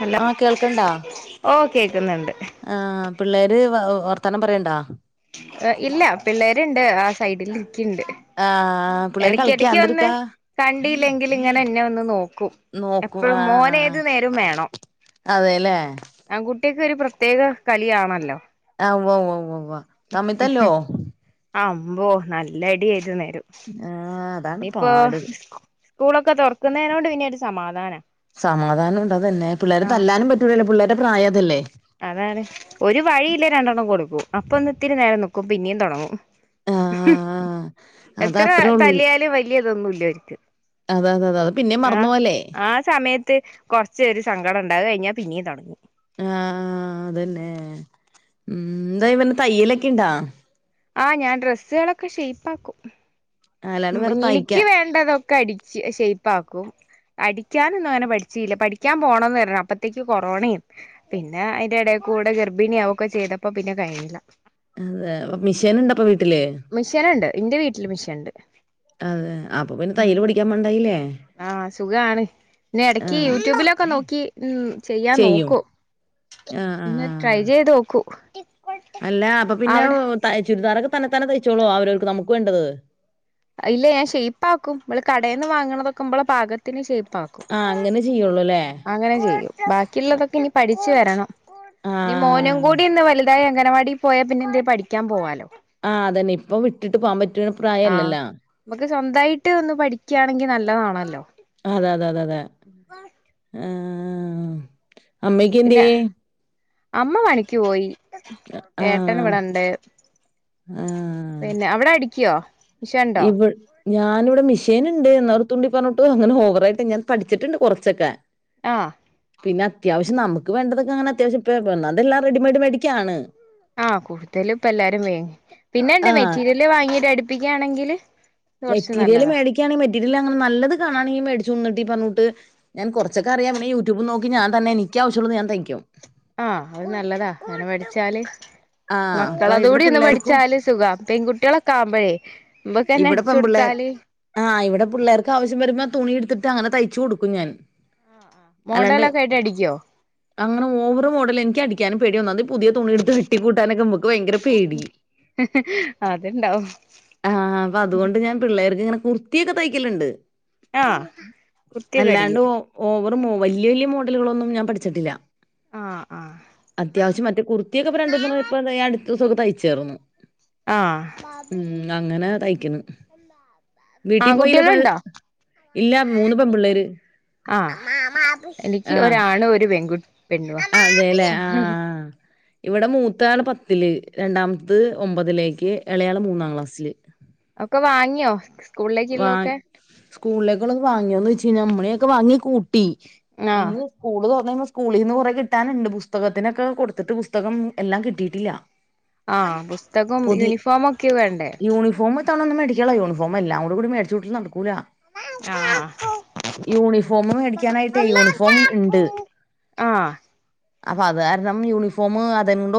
Hello ആഹ കേൾക്കണ്ടാ ഓ കേക്കുന്നുണ്ട് ആ പിള്ളേര് വർത്തനം പറയണ്ടാ ഇല്ല പിള്ളേരുണ്ട് ആ സൈഡിൽ ഇരിക്കിണ്ട് ആഹ പിള്ളേര് കളിക്കാ എന്ത്‌ട്ക്കാ കണ്ടിയില്ലെങ്കിൽ ഇങ്ങനെ എന്നെ ഒന്ന് നോക്കൂ നോക്കും എപ്പോഴും മോന ആഹ് ഏത് നേരം വേണോ അതെല്ലേ ആൺകുട്ടിയക്ക ഒരു പ്രത്യേക കളിയാണല്ലോ ആഹ് ഉമ്മ മ്മ ആ അമ്പോ നല്ല അടി ആയിരുന്നു നേരം ആഹ് അതാണ് ഇയിപ്പോ പാട് സ്കൂളൊക്കെ തുറക്കുന്നതിനോണ്ട് പിന്നെ ഒരു സമാധാനം സമാധാനം ഉണ്ട് അത്തന്നെ പിള്ളേര് തല്ലാനും പറ്റൂലല്ലേ പിള്ളേടെ പ്രായം അതല്ലേ അതാണ് ഒരു വഴിയില്ലേ രണ്ടെണ്ണം കൊടുക്കും അപ്പൊ ഒന്ന് ഇത്തിരി നേരം നക്കും പിന്നെയും തുടങ്ങും ആഹ് അത് എത്ര അത്രേ ഉള്ളൂലോ തല്ലിയാലും വലിയതൊന്നുമല്ല അവർക്ക് അതെ അതെത അതത് പിന്നെ മറന്നപ പോല്ലേ ആഹ സമയത്ത് ത്ത് കുറച്ചൊ ഒരു സങ്കടം ഉണ്ടാക കഴിഞ്ഞാൽ പിന്നേ തുടങ്ങി ആ അതന്നെ ഉ എന്താ പിന്നെ തയ്യലൊക്കെ ഉണ്ടോ ആ ഞാൻ ഡ്രെസ്സുകളൊക്കെ ഷെയ്പ് ആക്കും അല്ലാണ്ട് വേറെ തയ്ക്കാ എനിക്ക് വേണ്ടതൊക്കെ അടിച്ച് ഷേയ്പ ആക്കും അഠിക്കാനൊന്നും അങ്ങനെ പഠിച്ചില്ല പഠിക്കാൻ പോകണംന്ന് തരണം അപ്പഴത്തേക്ക് കൊറോണയും പിന്നെ അതിന്റെ ഇട കൂടെ ഗർഭിണിയ ആവൊക്കെ ചെയ്തപ്പോ പിന്നെ കഴിഞ്ഞില്ല അതെ, അപ്പ മിഷെനിണ്ടപ്പ വീട്ടില് മിഷീൻ ഇണ്ട്, ഇന്റെ വീട്ടില് മിഷീൻ ഇണ്ട് അതെ അപ്പൊ പിന്നെ തയ്യല് പഠിക്കാൻ പോണ്ടായില്ലേ ആഹ് സുഖാണ് പിന്നെ ഇടക്ക് യൂട്യൂബിലൊക്കെ നോക്കി ഉം ചെയ്യാൻ ചെയ്യും. നോക്കും. ആ, ആ, ഒന്ന് ആ. ട്രൈ ചെയ്ത് നോക്കൂ അല്ല അപ്പൊ പിന്നെ അവിടെ ചുരിദാറൊക്കെ തന്നെത്താനെ തയ്ച്ചോളോ അവരവർക്ക് നമുക്ക് വേണ്ടത് ഇല്ല ഞാൻ ഷേയ്പ്പ ആക്കും ഇമ്മള് കടേ ന്ന് വാങ്ങണതൊക്കെ ഇബ്ബളെ പാകത്തിന് ഷെയ്പ്പ് ആക്കും ആഹ് അങ്ങനെ ചെയ്യൊള്ളൂല്ലേ. അങ്ങനെ ചെയ്യും ബാക്കിയുള്ളതൊക്കെ ഇനി പഠിച്ചു വരണം ആ. ഇനി മോനും കൂടി ഒന്ന് വല അംഗനവാടി പോയാ പിന്നെ പഠിക്കാൻ പോവാലോ. ആഹ് തന്നെ ഇപ്പൊ വിട്ടിട്ട് പോവാൻ പറ്റണ ആഹ് പ്രായല്ലല്ലാ നമുക്ക് സ്വന്തമായിട്ടൊന്ന് പഠിക്കാണെങ്കി നല്ലതാണല്ലോ. അതെ അതെ അതെ അതെ ആഹ് അമ്മക്ക് പിന്നെ എന്തിയേ അമ്മ പണിക്ക് പോയി ആ, ഏട്ടൻ ഇവിടെണ്ട്. ആ. പിന്നെ അവിടെ അടിക്കോ ഇവൾ ഞാനിവിടെ മിഷന്ണ്ട് എന്നാ തുണ്ടി പറഞ്ഞിട്ട് അങ്ങനെ ഓവറായിട്ട് ഞാൻ പഠിച്ചിട്ടുണ്ട് കുറച്ചൊക്കെ. ആഹ് പിന്നെ അത്യാവശ്യം നമുക്ക് വേണ്ടതൊക്കെ അങ്ങനെ അത്യാവശ്യപ്പേ ഒന്നാമത് എല്ലാം റെഡിമെയ്ഡ് വേടിക്കാണ്. ആഹ് കൂടുതൽ ഇപ്പ എല്ലാരും വേങ്ങി പിന്നെണ്ട് ആഹ് മെറ്റീരിയല് വാങ്ങീട്ട് അടുപ്പിക്കാണെങ്കില്. മെറ്റീരിയല് മേടിക്കാണെങ്ക മെറ്റീരിയല് മേടിക്കാണെങ്കില് മെറ്റീരിയൽ അങ്ങനെ നല്ലത് കാണാണെങ്കിൽ മേടിച്ച് കൊടന്നിട്ട് ഇങ്ങനെ പറഞ്ഞൂട്ട് ഞാൻ കുറച്ചൊക്കെയറിയാം പിന്നെ യൂട്യൂബ് നോക്കി ഞാൻ തന്നെ എനിക്ക് ആവശ്യമുള്ളത് ഞാൻ തയ്ക്കും. ആഹ് അത് നല്ലതാ അങ്ങനെ പടിച്ചാല് ആഹ് അപ്പൊ മക്കള് അത് ഇവിടെ കൂടി ഒന്ന് പിള്ളേർക്കും പഠിച്ചാല് സുഖാ, പെൺകുട്ടികളോ ക്കളാവുമ്പഴേ ഇവിടെ പെമ്പിള്ളേർ മ്മക്കന്നെടിച്ചോടുത്താല് ആഹ് ഇവിടെ പിള്ളേർക്ക് ആവശ്യം വരുമ്പോ തുണി ഇടുത്തിട്ട് അങ്ങനെ തയ്ച്ച് കൊടുക്കും ഞാന്. മോഡലൊക്കെ ആയിട്ട് അടിക്കോ അങ്ങനെ ഓവറ് മോഡല് എനിക്കടിക്കാനും പേട്യ ഒന്നാമത് പുതിയ തുണി ഇടുത്ത് വെട്ടി കൂട്ടാനൊക്കെ മ്മുക് ഭയങ്കര പേടി അത്ണ്ടാവും പിള്ളേർക്കിങ്ങനെ കുർത്തിയൊക്കെ തയ്ക്കല്ണ്ട് ആഹ് കുർത്തിയൊക്കെ അല്ലാണ്ട് അടിക്കും ഓവറ് വല്ല്യ വല്ല്യ മോഡലുകളൊന്നും ഞാൻ പഠിച്ചിട്ടില്ല. ആഹ് ആഹ് അത്യാവശ്യം മറ്റേ കുർത്തിയൊക്കെ ഇപ്പ രണ്ടു ന്ന്ണ് പ്പയതാ ഞാനെടുത്തുസുകു തയ്ച്ചാർന്നു. ആഹ് ഉം അങ്ങനെ തൈയ്ക്ക്ണ്. ആൺ കുട്ട്യള്ണ്ടോ? ഇല്ല മൂന്ന് പെമ്പിള്ളേര് ആഹ് എനിക്ക് ആഹ് ഒരാണും ഒരു പെൺകു പെണ്ണ് അതേല്ലേ ആഹ് ഇവിടെ മൂത്താള് പത്തില് രണ്ടാമത്ത് ഒമ്പതിലേക്ക് ഇളയാള് മൂന്നാം ക്ലാസ്സില്. ഒക്കെ വാങ്ങിയോ? വാ സ്കൂളിലേക്കുള്ളൊക്കെ സ്കൂളിലേക്കുള്ളത് വാങ്ങിയോന്ന് ച്ച്കഴിഞ്ഞാ മ്മളക്കെ വാങ്ങി കൂട്ടി ആഹ് ഇനി സ്കൂള് തൊറന്ന് കഴിയുമ്പോ സ്കൂളിന്ന് കൊറേ കിട്ടാനുണ്ട് പുസ്തകത്തിനൊക്കെ കൊടുത്തിട്ട് പുസ്തകം എല്ലാം കിട്ടീട്ടില്ല. ആഹ് പുസ്തകം യൂണിഫോമൊക്കെ വേണ്ടേ? യൂണിഫോമ് ക്കാണെന്നും മേടിക്കാനുള്ള യൂണഫോം എല്ലാം കൂടി മേടിച്ച് കൂട്ടല് നടക്കൂല. ആഹ് ആഹ് യൂണിഫോമ് മേടിക്കാനായിട്ടേ യൂണിഫോം ഇണ്ട്. ആഹ് അപ്പഅത് കാരണം യൂണിഫോം അതങ്ങും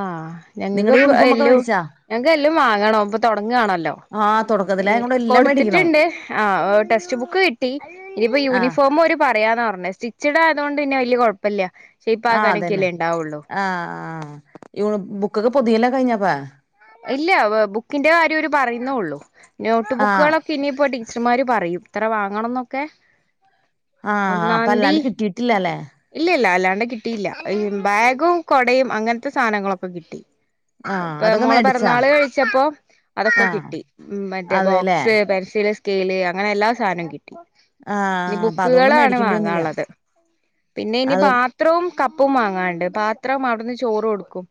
ആഹ് ഞങ്ങക്ക് നിങ്ങടെ യൂണിഫോം ഒക്കെ എല്ലും മേടിച്ചാ ഞങ്ങക്ക് എല്ലും വാങ്ങണം ഇപ്പൊ തൊടങ്ങണല്ലോ ആഹ് തൊടക്ക ഈ കൊടുത്തിട്ടുണ്ട് ആഹ് ടെക്സ്റ്റ് ബുക്ക് കിട്ടി ഇനിയിപ്പോ ആ യൂണിഫോം ഓര് പറയാന്നന്ന് പറഞ്ഞ സ്റ്റി ച്ച്ട് ആയതോണ്ട് പിന്നെ വല്യയ കൊഴപ്പല്ല ഷെയ്പ്പ് ആക്കാനൊക്കെ അല്ലേ ഇണ്ടാവൊള്ളൂ ആഹ് ആഹ് ഈ ബുക്കൊക്കെ പൊതിയലൊക്കെ കഴിഞ്ഞപ്പ ഇല്ല വ് ബുക്കിന്റെ കാര്യം ഓര് പറയുന്നേള്ളൂ നോട്ട് ആ ബുക്കുകളൊ ഇനിയിപ്പോ ടീച്ചർമാര് പറയും ഇത്ര വാങ്ങണന്നൊക്കെ ആഹ് അപ്പല്ലാണ്ട് കിട്ടിയിട്ടില്ലലേ ഇല്ല്യ ഇല്ല അല്ലാണ്ട് കിട്ടിയില്ല ഈ ബാഗും കൊടയും അങ്ങനത്തെ സാനങ്ങളൊക്കെ കിട്ടി. ആഹ് അതൊക്കെ മേ പെറ്ന്നാൾ കഴിച്ചപ്പോ അതൊക്കെ കിട്ടി മറ്റേ അതെല്ലേ ബോക്സ് പെൻസിൽ കേല് അങ്ങനെ എല്ലാ സാനം കിട്ട ആ ഇനി അപ്പൊ അതുകൊണ്ട് ബുക്കുകളാണ് മേടിക്കേണ്ടി വന്നില്ല വാങ്ങാള്ളത് പിന്നെ ഇനി അത് പ ത്രവും കപ്പും വാങ്ങാണ്ട് പാത്രം അവിടുന്ന് ചോറ് കൊടുക്കും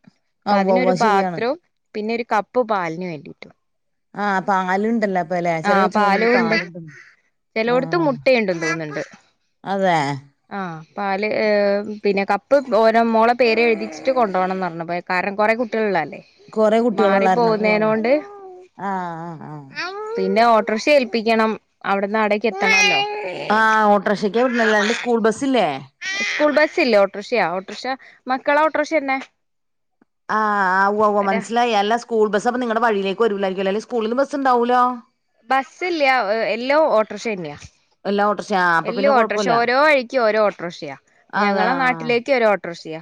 ആ അപ്പ ഉവ്വ ഉവ്വ അതിനൊരു ശരിയാണ് പാത്രവും പിന്നെ ഒരു കപ്പ് പാലിന് വേണ്ടിട്ടും ആഹ് പാലുണ്ടല്ലോ പ്പലേ ചെറിയ ആഹ് കൊച്ചുങ്ങക്ക് പാലും ഉണ്ട് പാലുണ്ടും ചിലോടത്ത് ആഹ് മുട്ടയുണ്ടെന്ന് തോന്നുന്നുണ്ട് അതെ ആഹ് പാല് പിന്നെ കപ്പ് ഓരോ മോളെ പേര്ഴുതിച്ചിട്ട് കൊണ്ടപോണംന്ന് പറഞ്ഞു കാരണം കുറെേ കുട്വാളാ ളളത ല്ലേ കൊറെ കുട്ടികളുള്ളരണം പോ ആഹ് ആഹ് ആഹ് പിന്നെ ഓട്ടോറിക്ഷ ഏൽപ്പിക്കണം അവിടന്ന്ടേക്ക് എത്തണല്ലോ ആഹ് ഓട്ടോറിക്ഷയ്ക്ക് വിവിടുന്നല്ലാണ്ട് സ്കൂൾ ബസ്സ്ല്ലേ സ്കൂൾ ബസില്ല ഓട്ടൊറിക്ഷയ ഓട്ടോറിക്ഷ മക്കളാ ഓട്ടോറിക്ഷന്നെ ആഹ് ആവോ മനസ്സിലായി അല്ല സ്കൂൾ ബസ്പ്പ നിങ്ങളടെ വഴിലേക്ക് വരൂലായിരിക്കും ല്ലേ അല്ലേ സ്കൂളിൽും ബസ് ഉണ്ടാവൊലോ ബസ് ഇല്ല എല്ലൊ ഓട്ടോറിക്ഷ ന്നെയാ എല്ലാ ഓട്ടോറിക്ഷ ആഹ് അപ്പൊ എല്ല പിന്നെ ഓട്ടോറിക്ഷ കൊഴപ്പല്ല ഓരോ വഴിക്ക് ഓരോ ഓട്ടോ റിക്ഷിയാ അതെ ഞങ്ങളെ ആഹ് നാട്ടിലേക്ക് ഒരോ ഓട്ടോ റിക്ഷിയാ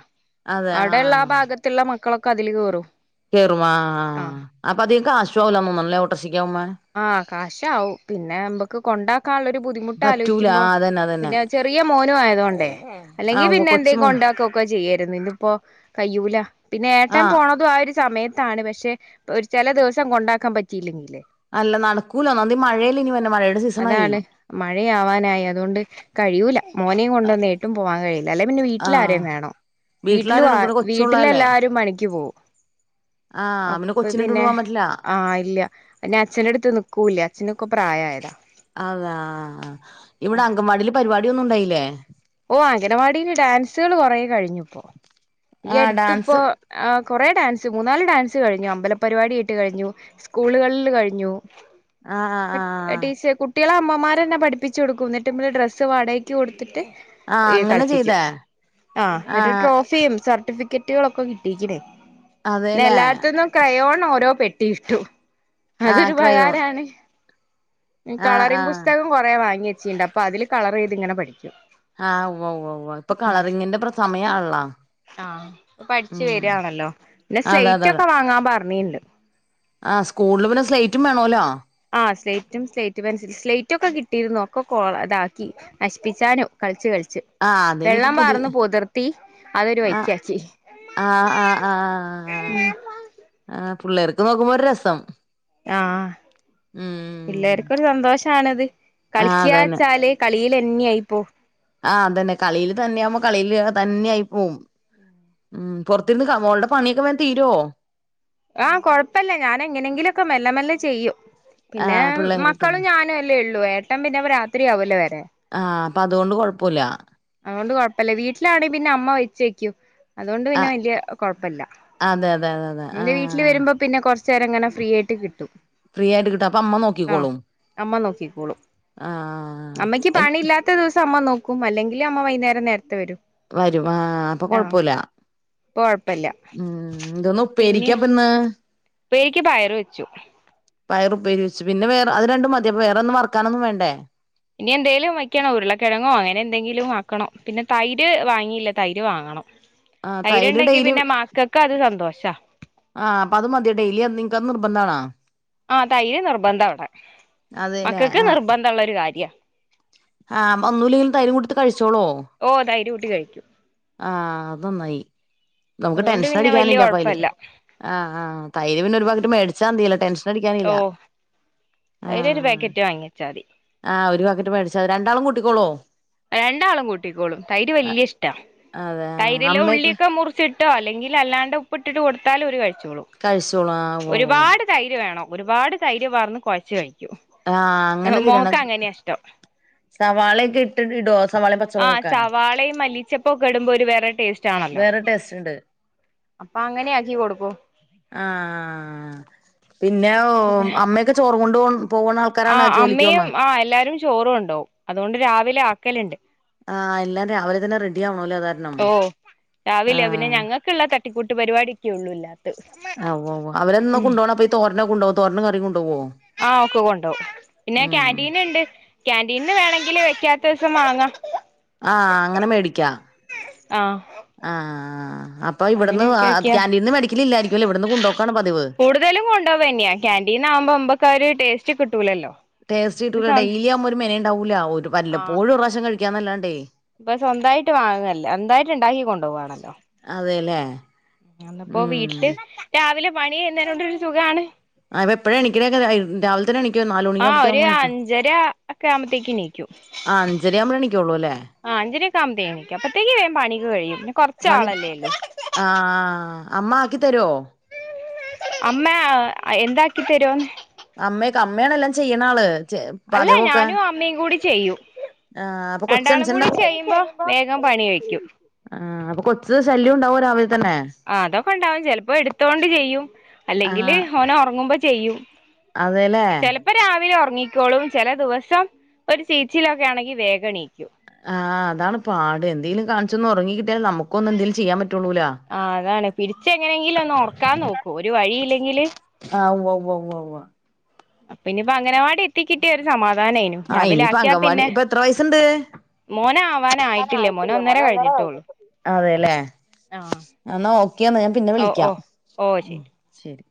അതെ ആഹ് ആ ഭാഗത്തുള്ള മക്കളൊക്കെ അതില് കേറും കേറും ആഹ് അപ്പ അതിക കാശുമാവില്ല ഓട്ടാറിക്ഷകാവുബൊ ആഹ് കാശാവും പിന്നെ നമ്മക്ക് കൊണ്ടാക്കാനുള്ളരു ബുദ്ധിമുട്ട് പറ്റൂല ആലോചിക്കുമ്പോ ആഹ് അതന്നെ അതന്നെ പിന്നെ ചെറിയ മോനും ആയതൊണ്ടേ അല്ലെങ്കി ആഹ് ഉവ്വ പിന്നെ കൊച്ച് എന്തെക്കും കൊ മോന് ണ്ടാക്കുകൊക്കെ ചെയ്യായിരുന്നു ഇതിപ്പോ കയ്യൂല പിന്നെ ഏട്ടൻ ആഹ് പോണതും ആ ഒരു സമയത്ത് ത്താണ് പക്ഷെ ഒരു ചെല ദിവസം കൊണ്ടാക്കാൻ പറ്റിയില്ലെങ്കല്ലേ അല്ല നടക്കൂലോന്ന മഴേൽ ഇനി വര്നെ മഴ അതാണ് മഴയാവാനായി അതൊണ്ട് കഴിയുല മോനീം കൊണ്ടൊന്ന് ഏട്ടു പോവാൻ കഴയുല അല്ലേ പിന്നെ വീട്ടില് ആഹ് ആരേലു വേണം വീട്ടിലും വീട്ടിലാരാണ് ആ പിന്നെ വീട്ടില് കൊച്ചുള്ളതല്ലേ എല്ലാരും പണിക് പോകും ആഹ് അപ്പ കൊച്ചിനെ ഇട്ടോണ്ട് പിന്നെ പോവാൻ പറ്റില്ല ആഹ് ഇല്ല അച്ഛ്ന്റെ അടുത്ത് നിക്കൂല്ല അഛനൊക്കെ പ്രായയതാ അതാ ഇവിടെ അങ്കൻവാടിൽ പരിപാടിയൊന്നുംണ്ടായില്ലേ ഓ അംഗനവാടിയില് ഡാൻസുകൾ കൊറെ കഴിഞ്ഞുപ്പോ ഈ ആഹ് അടുത്തിപ്പോ ഡാൻസ് ആഹ് കൊറെ ഡാൻസ് മൂന്നാല് ഡാൻസ് കഴിഞ്ഞു അമ്പല പരിപാടി ഇട്ട് കഴിഞ്ഞു സ്കൂളുകളിൽ കഴിഞ്ഞു ആഹ് ആഹ് ആഹ് ടീച്ചർ കു ട്ടിളെ അമ്മമാരെന്നെ പഠിപ്പിച്ച് കൊടുക്കും എന്നിട്ട്മ്മൾ ഡ്രസ്സ് വാടകയ്ക്ക് കൊടുത്തിട്ട് ആഹ് അങ്ങനെ കളിപ്പിക്കും ചെയ്തേ ആഹ് എന്നിട്ട് ട്രോഫിയും സർട്ടിഫിക്കറ്റ് പെട്ടികളൊക്കെ കിട്ടിക്ക്ണ് പിന്നെ അതേല്ലേ എല്ലായിടത്ത്ന്നും ക്രയോൺ ഓരോ പെട്ടിയിട്ടു ആഹ് അതൊരു ക്രയോൺ പകാരാണ് ആഹ് കളറി ആഹ് പുസ്തകം കൊറെ വാങ്ങി വെച്ചിണ്ട് അപ്പൊ അതില് കളർ ചെയ്ത് ഇങ്ങനെ പഠിക്കും ആഹ് ഉവ്വ് ഉവ്വ വ്വ ഇപ്പ കളറിങ്ങിന്റെ പ്ര സമയണള്ളോ ആഹ് പഠിച്ചു വരിയാണല്ലോ പിന്നെ അതെ അതെ സ്ലൈറ്റ് അതെ ഒക്കെ വാങ്ങാൻ പറഞ്ഞിണ്ട് ആഹ് സ്കൂളില് പിന്നെ സ്ലേറ്റും വേണോല്ലോ ആഹ് സ്ലേറ്റും സ്ലേറ്റ് പെൻസിലൽ സ്ലേറ്റ ഒക്കെ കിട്ടിയിരുന്നു ഒക്കെ കോള ഇതാക്കി നശിപ്പിച്ചാനും കളിച്ച് കളിച്ച് ആഹ് അതിനിപ്പ വെള്ളം പുതിയ പാർന്ന് പൊതിർത്തി അതൊരു വയ്ക്കക്കി ആഹ് ആഹ് ആഹ് ആഹ് ആഹ് ആഹ് പുള്ളേർക്ക് നോക്കുമ്പോ ഒരു രസം ആഹ് ഉം പിള്ളേർക്കൊരു സന്തോഷണത് ആഹ് കളിക്കുക അതന്നെ വെച്ചാല് കളിയിൽന്നെയ ആയിപ്പോ ആഹ്തന്നെ കളിയില് തന്നെ ആവുമ്പോ കളിയില് തന്നെ ആയി പോവും ഉം പുറത്തിരുന്ന് മോളുടെ പണിയൊക്കെ വേൻ തീരുമോ ആഹ് കൊഴപ്പല്ല ഞാാനെങ്ങനെയെങ്കിലുംക്കെ മെല്ലെ മെല്ലെ ചെയ്യും പിന്നെ ആഹ് പിള്ളേരെട്ടൂല മക്കളും ഞാനും അല്ലേ ഉള്ളൂ ഏട്ടൻ പിന്നെപ്പ രാത്രിയാവുല്ലേ വരാൻ ആഹ് അപ്പൊ അതൊണ്ട് കൊഴപ്പോല്ല അതുകൊണ്ട് കൊഴപ്പല്ല വീട്ടിലാണെങ്കിൽ പിന്നെ അമ്മ വെച്ച് വെക്കൂം അതുകൊണ്ട് പിന്നെ ആഹ് വലിയ കുഴപ്പല്ല അതെ അതെ അതെ അതെ ന്റെ വീട്ടിൽ ആഹ് വരുമ്പം പിന്നെ കൊറച്ച് നേരം ഇങ്ങനെ ഫ്രീ ആയിട്ട് കിട്ടും ഫ്രീ ആയിട്ട് കിട്ടും അപ്പൊ അമ്മ ആഹ് നോക്കിക്കോളും അമ്മ നോക്കിക്കോളും ആഹ് അമ്മയ്ക്ക് എ പണിയില്ലാത് ത്ത ദിവസം അമ്മ നോക്കും അല്ലെങ്കിൽ അമ്മ വൈകുന്നേരം നേരത്തെ വരും വരും ആഹ് അപ്പൊ ആഹ് കൊഴപ്പൊല്ല ഇപ്പൊ കൊഴപ്പല്ല ഉം ഇന്തോന്ന് പിന്നെ ഉപ്പേരിക്കപ്പ്ന്ന് ഉപ്പേരിക്ക് പയറ് വെച്ചു പയറ് ഉപയരിവെച്ചുപിന്നെ വേ അത് രണ്ടും മതി വേറെന്നും വറ്ക്കാനൊന്നും വേണ്ടേ ഇനി എന്തേലും വയ്ക്കണം ഉരുളക്കിഴങ്ങോ അങ്ങനെ എന്തെങ്കിലും ആക്കണംപിന്നെ തൈര് വാങ്ങിയില്ല തൈര് വാങ്ങണം ആഹ് തൈര് തൈര്ണ്ടെങ്കി ഡെയിലി പിന്നെ മക്കക്ക് അത് സന്തോഷാ- ആഹ് അപ്പൊ അത് മതി ഡെയിലി അത് നീക്ക്അത് നിർബന്ധാണൊ ആഹ് തൈര് നിർബന്ധ ഇവിടെ അതെല്ലേ മക്കൾക്ക് ആഹ് നിർബന്ധം ഉള്ള ഒരു കാര്യ ആഹ് ഒന്നൂല്ലെങ്കിലും തൈരും കൂടുത്തി കഴിച്ചോളോ ഓഹ് തൈര് കൂട്ടികഴിക്കും ആഹ് അത് നന്നായി നമുക്ക് അതുകൊണ്ട് പിന്നെ വല്യ ടെൻഷനടിക്കാനില്ലപ്പ അയ്ല് കൊഴപ്പല്ല ആഹ് ആഹ് തൈര് പിന്നെ ഒരു പാക്കറ്റ് മേടിച്ചാതില്ല ടെൻഷൻ ടിക്കാനില്ല ഓ തൈര് ഒരു ആഹ് - പാക്കറ്റ് വാങ്ങിച്ചാ മതി ആഹ് ഒരു പാക്കറ്റ് മേടിച്ചാ മതി രണ്ടാളും കട്ടിക്കോളോ രണ്ടാളും കൂട്ടിക്കോളും തൈര് വല്യ ഇഷ്ട അതെ തൈരില് അമ്മയൊക്കെ ഉള്ളിയൊക്കെ മുറി ച്ചിട്ടോ അല്ലെങ്കിൽ അല്ലാണ്ട് ഉപ്പിട്ടിട്ട് കൊടുത്താലും ഓരു കഴിച്ചോളൂം കഴിച്ചോളാം ആഹ് വോ- തൈര് വേണം ഒരുപാട് തൈര് വാർന്ന് കൊഴച്ച് കഴിക്കും ആഹ് അങ്ങനെ മോക്ക് തിന്നണം അങ്ങനെയ ഇഷ്ടം സവാളയൊക്കെ ഇട്ടിട്ട്ടോ ആഹ് സവാളയും മല്ലിച്ചപ്പൊ ഒക്കെ ഇടുമ്പോ ഒരു വേറെ ടേസ്റ്റ് ആണല്ലോ വേറെ ടേസ്റ്റ് ഉണ്ട് അപ്പ അങ്ങനെയാക്കി കൊടുക്കോ ആഹ് പിന്നെ ഓഹ് അമ്മയൊക്കെ ചോറ് കൊണ്ട് പോകണ - ആഹ് അമ്മയും ആഹ് എല്ലാരും ചോറും കൊണ്ടോവും അതുകൊണ്ട് രാവിലെ ആക്കല്ണ്ട് ആഹ് എല്ലാം രാവിലെ തന്നെ റെഡി ആവണല്ലേ അതാരണം ആഹ് ക്കെല്ലാം തട്ടിക്കൂട്ട് പരിപാടിക്കെ ഉള്ളൂ ഏല്ലാം ഉവ്വ് ഉവ്വ അവരെന്തോന്ന കൊണ്ട് പോണേ അപ്പൊ തോരനും കൊണ്ടോവ്വോ തോരനുംകറി കൊണ്ടോവോ ആഹ് ഒക്ക കൊണ്ടോ പിന്നെ ഉം ക്യാന്റീൻ ഉണ്ട് ക്യിന്റീൻന്ന് വേണേങ്കില് വെക്കാത്ത ദിവസം വാങ്ങാം ആഹ് അങ്ങനെ മേടിക്കാ ആ ആഹ്. അ പ്പൊ ഇവട്ന്ന് ആ അങ്ങനെയൊക്കെ വെക്കാ ക്യാന്റീൻന്ന് മെടിക്കലില്ലായിരിക്കും അല്ലെ ഇവട്ന്ന് കൊണ്ടോക്കാണോ പതിവ് തലും കൊണ്ടോവന്ന്യാ. ക്യാൻ്റീൻന്ന് ആവുമ്പം ഇമ്പക്കതൊര് ടേസ്റ്റ് കിട്ടൂലല്ലോ ടേസ്റ്റ് ഇത് കിട്ടൂല്ല സ്വ ഡെയിലി ആവുമ്പോ ഒരു മെനയുണ്ടാവൂല്ല ഒരു ആ വല്ലപോഴും ഒര് രാശ്യം കഴിക്കാന്നല്ലാണ്ടേ ഇപ്പൊ സ്വന്തായിട്ട് വാങ്ങല്ല സ്വന്തായിട്ട് ഉണ്ടാക്കി കൊണ്ടോവാണല്ലോ അതെല്ലേ അന്നപ്പോ ഉം വീട്ടില് രാവിലെ പണി എയ്ന്നേനുണ്ടരു സുഖാണ്. അ അവെ എപ്പഴാ എണിക്കലൊക്കെ രാവിൽ ആഹ് ഒര് അഞ്ചര ഒക്കെ ആവുമ്പോത്തേക്ക് ണീക്കു. ആഹ് അഞ്ചരയാവുമ്പളേ എണീക്കുള്ളൂ അല്ലേ ആഹ് അഞ്ചരൊക്കെ ആകുമ്പഴ്ത്തേക് എണീക്കും അപ്പഴ്ത്തേക്ക് വേൻ പണി ഒക്കെ കഴിയും. പിന്നെ കൊറച് പണി ആളല്ലേ ള്ളു. ആഹ് അമ്മ ആക്കി തരുവോ അമ്മ എന്താക്കിതരോ ന്ന് അമ്മയൊക്കെ അമ്മയാണൊ എല്ലാം ചെയ്യ്ണാള് ചെ അല്ല പാചകൊക്കെ? ഞാനും അമ്മയും കൂടി ചെയ്യും ആഹ് അപ്പൊ രണ്ടാളും കൂടി കൊച്ച്എണിചിണ്ടാവോ? ചെയ്യുമ്പോ വേഗം പണി കഴിക്കും ആഹ്. അപ്പൊ കൊച്ച് ശല്യവുണ്ടാവോ രാവിൽ തന്നെ. ആഹ് അതൊക്കെ ഉണ്ടാവും. ചെലപ്പോ എടുത്തൊണ്ട് ചെയ്യും അല്ലെങ്കില് ആഹ് ഓന് ഒറങ്ങുമ്പ ചെയ്യും അതെല്ലേ ഇപ്പ രാവിലെ ഉറങ്ങിക്കോളും ചില ദിവസം ഒരു ചീച്ചിലൊക്കെ ആണെങ്കിൽ വേഗണീക്കും ആഹ് അതാണ് പാട് എന്തേലും കാണിച്ചൊന്ന് ഉറങ്ങി കിട്ടിയാൽ നമുക്കൊന്നും എന്തേലും ചെയ്യാൻ പറ്റൊള്ളൂലാ ആഹ് അതാണെ. പിടിച്ച് എങ്ങനെങ്കിലൊന്ന് ഒറക്കാൻ നോക്കു ഒരു വഴിയില്ലെങ്കില് ആഹ് ഉവ്വ ഉവ്വ ഉവ്വ ഉവ്വ അപ്പിനിയിപ്പോ അങ്ങനവാടി എത്തിക്കിട്ടിയ ഒരു സമാധാനായിനു. ആഹ് രാവിലെ ഇനിയിപ്പ ആക്കിയാ അംഗൻവാടി പിന്നെ ഇപ്പൊ എത്ര വയസ്സുണ്ട് മോനാവാനായിട്ടില്ലേ മോന് ഒന്നര കഴിഞ്ഞിട്ടേ ള്ളൂ. അതെല്ലേ. എന്നാ ഓക്കേന്ന് ഞാൻ പിന്നെ ഓ ഓ വിളിക്കാം ഓ ശരി ശരി